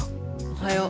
おはよう。